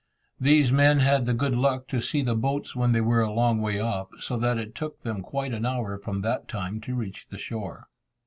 These men had the good luck to see the boats when they were a long way off, so that it took them quite an hour from that time to reach the shore.